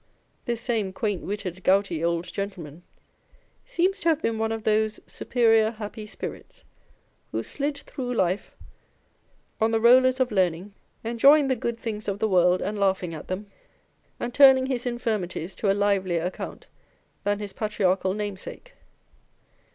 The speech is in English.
This same quaint witted gouty old gentleman seems to have been one of those '; superior, happy spirits," who slid through life on the rollers of learning, enjoying the good tilings of the world and laughing at them, and turning his infirmities to a livelier account than his patriarchal namesake.